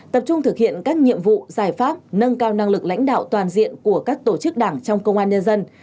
tập trung thực hiện các nhiệm vụ giải pháp nâng cao năng lực lãnh đạo toàn diện của các tổ chức đảng trong công an nhân dân